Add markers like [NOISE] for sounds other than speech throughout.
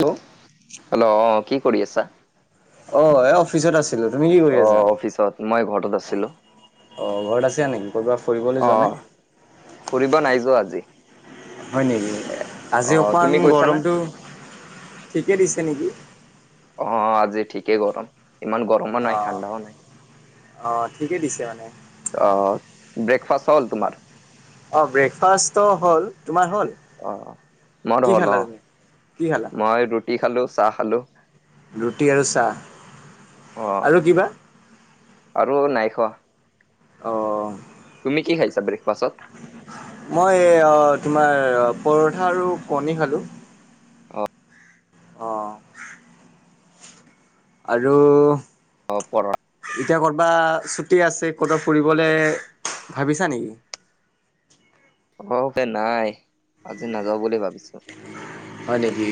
Hello hello আহ কি কৰি আছা? অ, এই অফিচত আছিলো, তুমি কি কৰি আছা অ' অফিচত মই ঘৰত আছিলো। অ'? ঘৰ আছা নকি? অ, ফুৰিব নাই যোৱা আজি। হয়, নেকি আজি অ' অকমান তুমি গৈছা না? গৰমতটো ঠিকে দিছে নেকি। অ, আজি ঠিকেই গৰম, ইমান গৰমো অ নাই, ঠাণ্ডাও নাই। অ, ঠিকে দিছে মানে। অ, ব্ৰেকফাাসষ্ট হ'ল তোমাৰ। অ, ব্ৰেকফাষ্ট হ'ল। তোমাৰ হ'ল অ, কি মইতহল খালা অ, তুমি কি খালা মই ৰুটি খালো, চাহ খালো। ৰুটি আৰু চাহ অ' আৰু কিবা আৰু নাই খোৱা। অ'। তুমি কি খাইছা ব্ৰেকফাষ্টত? মই অ, তোমাৰ পৰঠা আৰু কণী, খালো। অ'। অ'। আৰু অ পৰঠা। এতিয়া কৰবা আছে ক'ত ফুৰিবলৈ ভাবিছা নেকি? অকে নাই আজি নাযাওঁ বুলি ভাবিছো। হয়, নেকি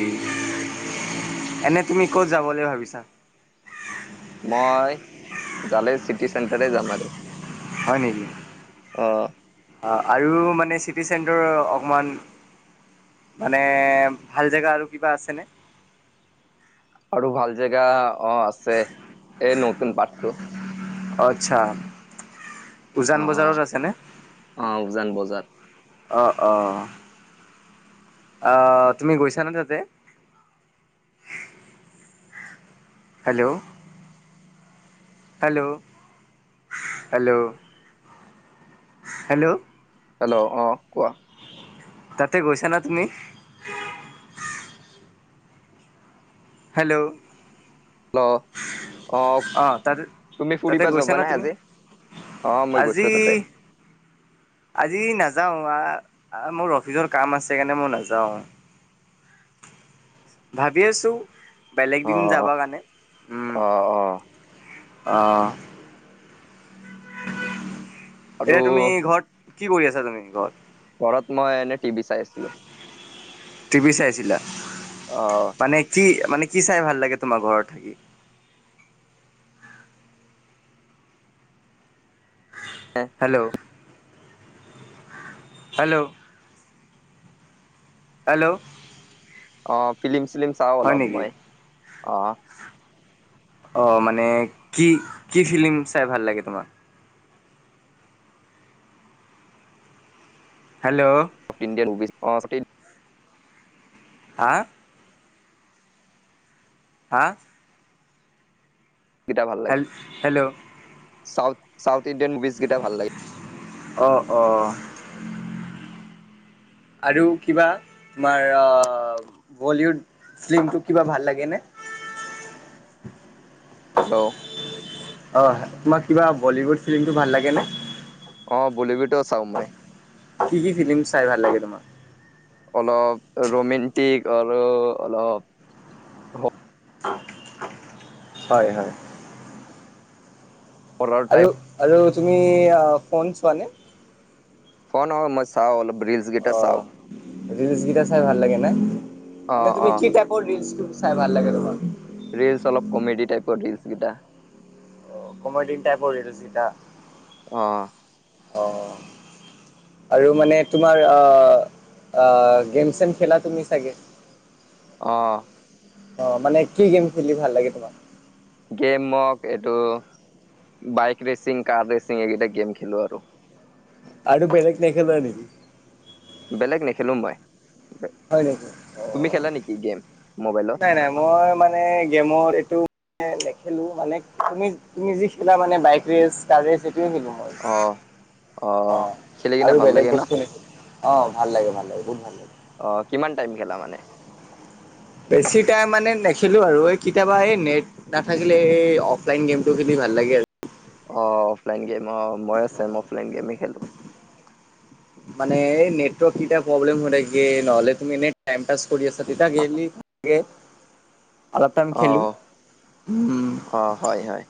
এনে তুমি কত যাবলৈ ভাবিছা। মই জালে চিটি চেণ্টাৰে যাম আৰু। হয়, নেকি। অ' আৰু মানে চিটি চেণ্টৰৰ অকণমান মানে ভাল জেগা আৰু কিবা আছেনে? আৰু ভাল জেগা অ আছে। এই নতুন পাৰ্কটো। অ আচ্ছা। উজান বজাৰত অ', আছেনে? অ', উজান বজাৰ। অঁ অঁ। আহ তুমি গৈছানে তাতে? Hello. Hello. Hello. Hello. Hello. অ কোৱা। তাতে গৈছা না তুমি? হেল্ল'। হেল্ল'আহ অ' তাতে তুমি তাতে ফুৰিবা গৈছা যাবা না নাই তুমি? আজি? আহ মই আজি গৈছো তাতে। আজি নাযাও, আহ মোৰ অফিচৰ কাম আছে সেইকাৰণে মই নাযাও। ভাবি আছো বেলেগ দিন যাব অ', কাৰণে। উম। অ', অ', আহ। আৰু এতিয়া তুমি ঘৰত কি কৰি আছা তুমি ঘৰত? ঘৰত মই এনে টিভি চাই আছিলো। টিপি আ। অ', মানে কি মানে কি চাই ভাল লাগে তোমাৰ ঘৰত থাকি? হেল্ল'। হেল্ল'। হেল্ল'। আহ ফিলিম-চিলিম চাওঁ হয় অলপ নেকি? মই। আহ, অ মানে কি কি ফিল্ম চাই ভাল লাগে তোমাৰ? হেল্ল'। ইণ্ডিয়ান [UNINTELLIGIBLE] হা? হা? কেইটা হেল-হেল্ল'! চাউথ-চাউথ ইণ্ডিয়ান মুভিছকেইটা ভাল লাগে। অ অ। আৰু কিবা তোমাৰ অ বলিউড ফ্লিমটোক কিবা ভাল লাগে নে? হেল্ল'। অ তোমাক কিবা বলীউড ফিলিমটো ভাল লাগে নে? অ বলউটো চাও মই। কি কি ফিলিম চাই ভাল লাগে তোমাৰ? অলপ ৰোমেণ্টিক আৰু অলপ হয় হয়। হৰৰ আৰু টাইপ আৰু তুমি ফোন চোৱানে? [UNINTELLIGIBLE] মই চাও অলপ ৰিলচ কেইটা অ চাওঁ ৰিলচ কেইটা চাই ভাল লাগে না? অ', এনে তুমি অ', কি টাইপ ৰিলচ চাই ভাল লাগে তোমা ৰিলচ অলপ কমেডি টাইপৰ ৰিলচ কেইটা। কমেডিন টাইপ ৰিলচ কেইটা আহ। অ আৰু মানে তোমাৰ আহ অ গেম-চেম খেলেল তুমি চাগে? আহ। অ, মানে কি গেম খেলি ভাল লাগে, তোমাৰ? গেমক এইটো বাইক ৰৰেচিং, কাৰ ৰেচিং, এইকেইটা গেম খেলো আৰু। আৰু বেলেগ নেখেল নেক বেলেগ নেখেলো মই হয় নেকি? তুমি খেলা অ' নেকি গেম? মোবাইলত? নাই, নাই, মই মানে গেমত এইটো নেখেলো মানে তুমি, তুমি, যি খেলা মানে বাইক ৰেচ, কাৰ ৰেচ [UNINTELLIGIBLE] মই অ', অ, খেলি কিনে আৰু ভাল বেলেগ লাগে ন? বস্তু নেছিলি অ, ভাল লাগে, ভাল লাগে বহুত ভাল লাগে। অ, কিমান টাইম, গেলা মানে বেছি টাইম মানে নেখেলো আৰু এই কেতিয়াবা এই নেট নাথাকিলে এই অফলাইন গেমটো খেলি নালাগ আহ অফলাইন গেম আহ, মই আ, চ, অফলাইন গেম খেলো। মানে নেটৰ্ক ই, প্ৰব্লেম হৈ, গে, নহলে, তুমি এনোই প, কৰি আছা তেতিয়া গ আলপটাম খেলোঁ। অ', অ', হয় হয়।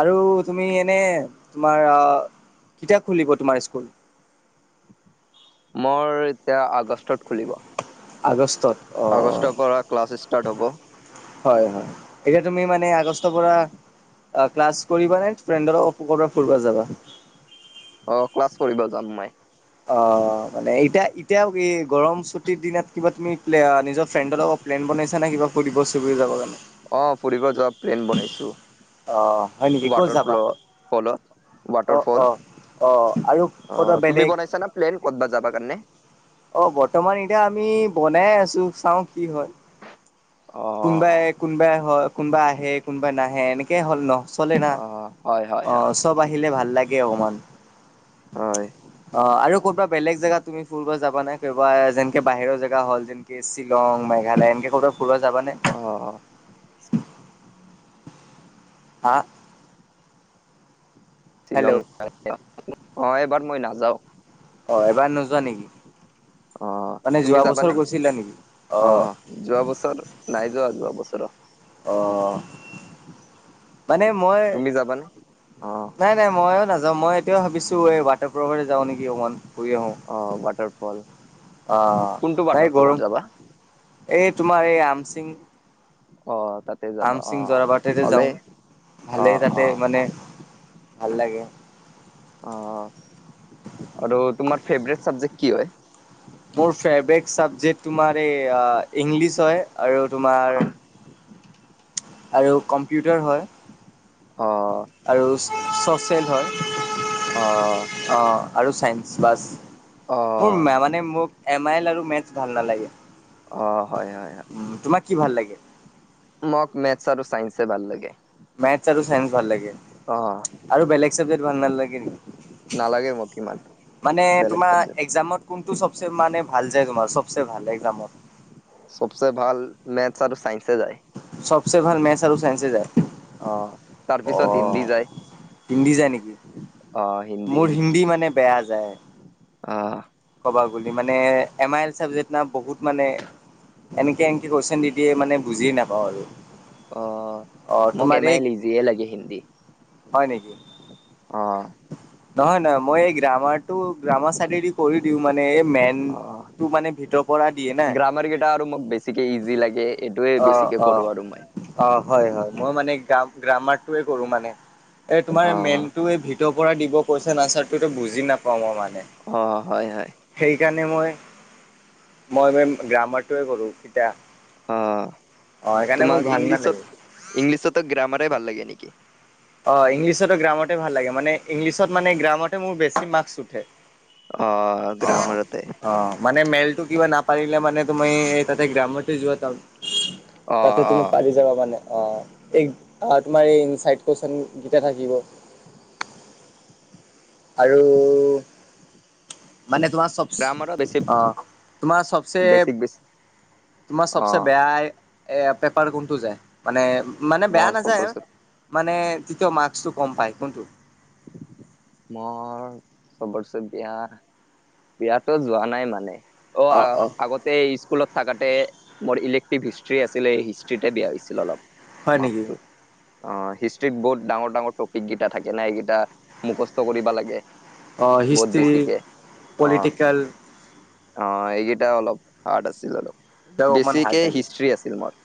আৰু তুমি এনে তোমাৰ আহ কিতাপ খুলি ক তোমাৰ স্কুল? মোৰ এতিয়া আগষ্টত খুলিব। আগষ্টত। অ আগষ্টৰ পৰা ক্লাছ ষ্টাৰ্ট হ'ব। হয়, হয়, এতিয়া তুমি মানে আগষ্টৰ পৰা ক্লাছ কৰিবা নে, ফ্ৰেডৰ ক'ব ফুৰিবা যাবা। ক্লাছ কৰিব যাম মই। অ, মানে এতিয়া, এতিয়াও এই গৰম ছুটিৰ দিনত কিবা তুমি নিজৰ ফ্ৰেণ্ডৰ লগত প্লেন বননিছে নে, কিবা, কৰিব চুৰি যাব কাৰণে। অ, ফুৰিব যোৱা প্লেন বনাইছো, অ' হয় নেকি ক'ত ৱাটাৰ যাবা? ফ্ল, ফলত অ' ৱাটাৰফল অ' অ' আৰু অ, ক'ৰবা তুমি বেলেগ? বনাইছা ন, প্লেন ক'ত বা যাবা কাৰণে। অ, বৰ্তমান এতিয়া আমি বনাই আছো চাও। কি হয়, অ কোনবাই, কোনবাই হয়। কোনোবা আহে, কোনোবা নাহে, এনেকে হ'ল ন, চলে না, অ হয় হয় অ, হয়। চব আহিলে ভাল। ভাল লাগে, অকমান। হয়। অ, ক'ব বেলেগ জেগাত তুমি ফুলব যা নাই কবা যেনকে বাহিৰৰ জেগা হ'ল যেকে শ্বিলং, মেঘালয় এনকে ক'ব ফা যাবানে অ হা? হেল্ল' শ্বিলং, অ, এবাৰ মই নাযাওঁ। অ, এবাৰ নোযোৱা নেকি। অ, মানে যোৱা তুমি বছৰ যাবানে গৈছিলা নেকি অ, যোৱা বছৰ নাই যোৱা, যোৱা বছৰ অ, মানে মই তুমি যাবানে? অ নাই, নাই, মইও নাজানো। মই এতিও ভাবিছো এই বাটৰ প্ৰভৰে যাওঁ নেকি অকণমান। ফুৰি আহো, অ ৱাটাৰ ফল আহ কোনটো নাই ৱাটাৰ ফলত গৰম যাবা? এই, তোমাৰ এই আমচিং অ'। তাতে যাবা আম অ সিং জৰাবাৰাটেতে ভালেই। যাওঁ, অ ভালেই অ তাতে মানে ভাল লাগে। অ, আৰু তোমাৰ ফেভট চাবজেক্ট কি হয়? মোৰ ফেভট চাবজেক্ট তোমাৰ এই, ইংলিছ হয়। আৰু তোমাৰ আহ আৰু কম্পিউটাৰ হয়। অ। চচিয়েল হয়। অ। অ আৰু চাইনচ বাছ। অ মোৰ মানে মোক এম আইল আৰু মেটচ ভাল নালাগে। অ হয় হয় হয়। উম, তোমাক কি ভাল লাগে? মোক মেথছ আৰু চাইন্সে ভাল লাগে। মেথছ আৰু চাইন্স ভাল লাগে। অ। আৰু বেলেগ চাবজেক্ট ভাল নালাগে নেকি? নালাগে মোক ইমান মানে বেলেগ তোমাৰ চাবজেক্ট একজামত কোনটো চবচে মানে ভাল যায় তোমাৰ চবচে ভাল এজামত? চবচে ভাল মেথছ আৰু চাইন্সে যায়। চব ভাল মেথছ আৰু চাইন্স যায়। অ তাৰপিছত অ', হিন্দী যায়। হিন্দী যায় নেকি। অ মোৰ হিন্দী মানে বেয়া যায়। অ। ক'ব মানে এম আই এল চাবজেক্ট বহুত মানে এনেকে এনেকে কৈচম দিদিয়ে মানে বুজি নাপাওঁ আৰু। অ অ', মোক তোমাৰ এম আই এই এল ইজিয়ে লাগে হিন্দী হয় নেকি। অ। নহয় নহয় মই এই গ্ৰামাৰটো গ্ৰামাৰ [UNINTELLIGIBLE] কৰি দিওঁ মানে- মে এই অ মেইনটো মানে ভিতৰ পৰা দিয়ে গ্ৰামাৰ কেইটা আৰু মোক বেছিকে নাই। ইজি লাগে এইটোয়ে অ বেছিকে অ কৰো আৰু মই অ হয় হয় মই মানে গ্ৰামাৰটোৱে কৰো মানে। এ তোমাৰ অ মেনটো এই ভিতৰ পৰা দিব কৈছোম এনচাৰটো বুজি নাপাও মই ম অ হয় হয়। সেইকাৰণে মই মই গ্ৰামাৰটোৱে কৰোঁ এতিয়া। অ তোমাক ইংলিছত নালাগে ইংলিছতো গ্ৰামাৰেই ভাল লাগে নেকি? অ ইংলিছতো গ্ৰামতে ভাল লাগে মানে, ইংলিছত মানে গ্ৰামতে মোৰ বেছি মাৰ্কছ উঠে। অ অ গ্ৰামাৰতে অ মানে মেইনটো কিবা নাপ পাৰিলে মানে তুমি তাতে গ্ৰামতে যোৱা তাম অ তাতে অ তুমি পাৰি যাবা মানে। অ এই তোমাৰ এই ইনচাইড কুৱেশনকেইটা থাকিব। আৰু মানে তোমাৰ চব, গ্ৰামাৰত বেছি অ তোমাৰ চবচে বেছিক বেছি তোমাৰ অ চবচে বেয়া এ পেপাৰ কোনটো যায়, মানে মানে বেয়া মোৰ নাযায় চবৰচে মানে তেতিয়া মাৰ্কচটো কম পায় কোনটো? মই চবৰচে বে, বেয়াতো যোৱা নাই মানে অ আগতে স্কুলত থাকতে, মোৰ ইলেক্টিভ হিষ্ট্ৰি আছিলে হিষ্ট্ৰিতে বেয়া হৈছিল অলপ। হয় নেকি? মাৰ্কটো অ হিষ্ট্ৰত বহুত ডাঙৰ ডাঙৰ টপিক কেইটা থাকে না, এইকেইটা মুখস্থ কৰিব লাগে। বহুত হিষ্ট্ৰী, বেছিকে অ পলিটিকেল, অ এইকেইটা অলপ হাৰ্ড আছিল অলপ, এইবিলাক অকমান হাৰ্ড বেছিকে থাকে হিষ্টষ্ট্ৰি আছিল মোৰ।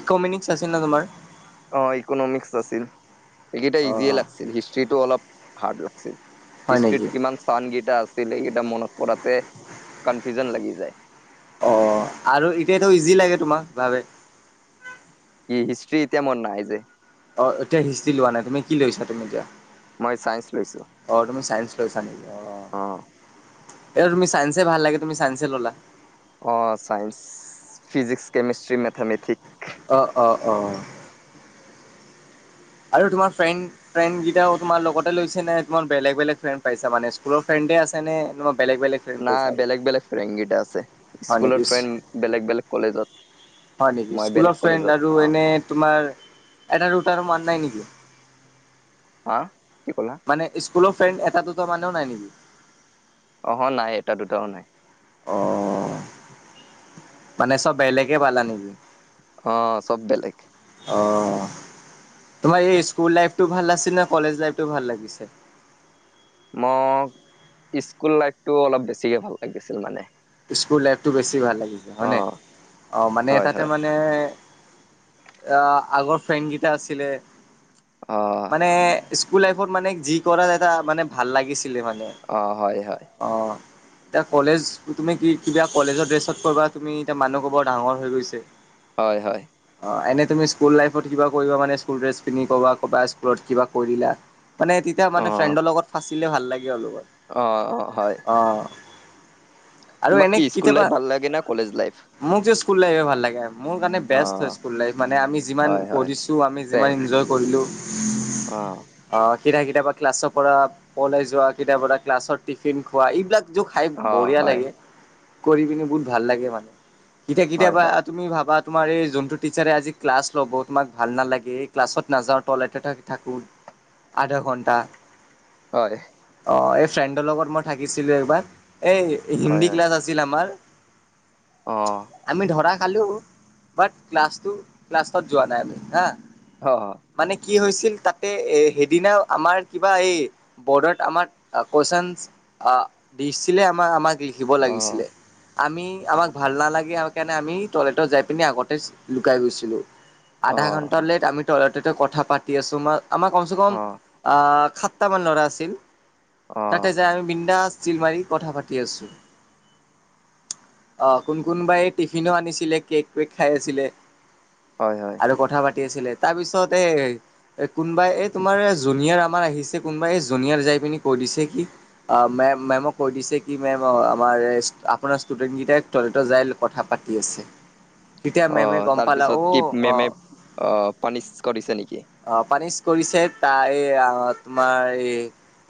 ইকমিনিছ আছিল নে তোমাৰ? অ ইকনমিক্স আছিল। এইকেইটা অ ইজিয়ে লাগিছিল হিষ্ট্ৰিটো অলপ হাৰ্ড লাগছিল। হয় নেকি হিষ্ট্ৰিত কিমান স্থানগেইটা আছে সেইকেইটা মনত কৰাতে কনফিউজন লাগি যায়। অ আৰু এতিয়াতো ইজি লাগে তোমাক ভাবে কি হিষ্ট্ৰি এতিয়া মন নাই যে। অ' এতিয়া হিষ্ট্ৰি লোৱা নাই তুমি, কি লৈছা তুমি এতিয়া? মই চাইন্স লৈছো। অ তুমি লৈছা নেকি অ'? অ'। এ তুমি চাইন্সে ভাল লাগে তুমি চাইন্সে ল'লা। অ' চাইন্স ফিজিক্স, কেমিষ্ট্ৰি, মেথমেথিক। অ'- অ'- অ'। আৰু তোমাৰ ফ্ৰেন্ড ফ্ৰেন্ড কেইটাও তোমাৰ লগতে লৈছে নে? তোমাৰ বেলেগ বেলেগ ফ্ৰেণ্ড পাইছা মানে স্কুলৰ ফ্ৰেন্ড ৱে আছেনে? নাই বেলেগ বেলেগ ফ্ৰেণ্ড কেইটা আছে। হয় নেকি স্কুলৰ ফ্ৰেণ্ড বেলেগ বেলেগ কলেজত। হয় নেকি মই বেলেগ স্কুলৰ ফ্ৰেণ্ড কলেজত আৰু অ এনে তোমাৰ এটা দুটাৰো মন নাই নেকি? হা কি ক'লা? মানে স্কুলৰ ফ্ৰেণ্ড এটা দুটা মানো নাই নেকি? অহ নাই এটা দুটাও নাই। অ'। মানে চব বেলেগে পালা নেকি? অ' চব বেলেগ। অ'। তোমাৰ এই স্কুল লাইফটো ভাল আছিল নে? কলেজ লাইফটো ভাল লাগিছে? মই স্কুল লাইফটো অলপ বেছিকে ভাল লাগিছিল মানে। স্কুল লাইফটো বেছি ভাল লাগিছে হয় অ নে? অ' মানে হয় তাতে হয় মানে। আহ আগৰ ফ্ৰেণ্ড কেইটা আছিলে অ মানে স্কুল লাইফত মানে যি কৰা যায় মানে এটা মানে ভাল লাগিছিলে মানে। অ হয় হয় অ' এতিয়া কলেজ তুমি কি কিবা কলেজৰ ড্ৰেছত পাবা তুমি এতিয়া মানুহ ক'ব বৰ ডাঙৰ হৈ গৈছে। হয়, হয়। অ' এনে তুমি স্কুল লাইফত কিবা কৰিব মানে স্কুল ড্ৰেছ পিন্ধি কবা ক স্কুলত কিবা কৰিলা। মানে তেতিয়া অ মানে ফ্ৰেণ্ডৰ লগত ফাঁচিলে ভাল লাগে অলপ আৰু, অ অ হয় অ'। আৰু তোমাক এনে কি স্কুল কেতিয়াবা লাইফ ভাল লাগে না কলেজ লাইফ মোক যে স্কুল লাইফে ভাল লাগে। মোৰ কাৰণে অ বেষ্ট হয় স্কুল লাইফ মানে আমি যিমান হয় হয় কৰিছোঁ আমি ছেম যিমান এনজয় কৰিলোঁ। অ'। কেতিয়া কেতিয়াবা ক্লাছৰ পৰা পলাই যোৱা, কেতিয়াবা এ ক্লাছৰ টিফিন খোৱা এইবিলাক জোখ অ' হয়। কৰি পিনে বহুত ভাল লাগে মানে। কেতিয়া হয় কেতিয়াবা হয় তুমি ভাবা তোমাৰ এই যোনটো টিচাৰে আজি ক্লাছ ল'ব তোমাক ভাল নালাগে এই ক্লাছত নাযাওঁ টইলেট থাকোঁ আধা ঘণ্টা। হয়। অ' এই ফ্ৰেণ্ডৰ লগত মই থাকিছিলোঁ এইবাৰ, এই হয় হিন্দী হয়। ক্লাছ আছিল আমাৰ অ'। আমি ধৰা খালো বাট ক্লাছটো ক্লাছত যোৱা নাই আমি হা অ'- অ'। মানে কি হৈছিল তাতে এ সেইদিনা আমাৰ কিবা এই বৰ্ডত আমাৰ কুৱেশন আহ দিছিলে আমাৰ আমাক লিখিব অ', লাগিছিলে আমি আমাক ভাল নালাগে কাৰণে আমি টয়লেটত যায় পিনে আগতে লুকাই গৈছিলোঁ। আধা অ', ঘন্টা লেট আমি টয়লেটে কথা পাতি আছোঁ আমাৰ কমচে কম অ', আহ সাতটামান ল'ৰা আছিল তাতে অ', যায় আমি বিন্দাজ চিল মাৰি কথা পাতি আছোঁ। আহ কোন কোনবাই এই টিফিনো আনিছিলে কেক ৱেক খাই আছিলে হয়, হয়, আৰু কথা পাতি আছিলে। তাৰপিছত এই কোনোবাই এই তোমাৰ জুনিয়ৰ আমাৰ আহিছে কোনোবাই এই জুনিয়ৰ যায় পিনে কৈ দিছে কি মেমোক কৈ দিছে কি মেম আমাৰ আপোনাৰ ষ্টুডেন্ট কেইটাই তলেটত যাই কথা পাতি আছে। তেতিয়া অ, মেমে গম পালা অ তাৰপিছত কি মেমে অ, পানিচ কৰিছে নেকি। অ, পানিচ কৰিছে, তাই এই তোমাৰ এই,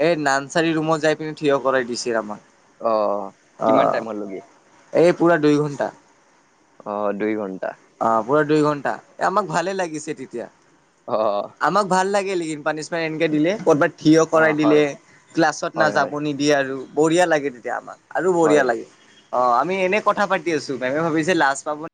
এই, নাৰ্চাৰী ৰুমত যাই পি, থিয়, কৰাই দিছে। অ, কিমান টাইমত লে? এই পুৰা দুই ঘণ্টা। অ, দুই ঘণ্টা। অ, পুৰা দুই ঘন্টা আমাক ভালে লাগিছে, তেতিয়া অ', আমাক ভাল লাগ পানিচমেণ্ট এনেকে দিলে কৰ'ৰবাত থিয় কৰাই অ', দিলে, হয়, ক্লাছত না হয়, হয়, যাব নিদিয়ে আৰু। বঢ়িয়া লাগে, তেতিয়া আমাক আৰু বঢ়িয়া হয়। লাগে। অ, আমি এনে কথা পাতি আছো, প্ৰমে ভাবিছে লাজ পাব।